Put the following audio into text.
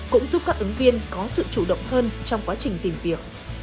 cũng giúp các ứng viên có sự chủ động hơn trong quá trình tìm việc